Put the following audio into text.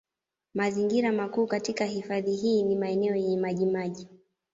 Mazingira makuu katika hifadhi hii ni maeneo yenye maji maji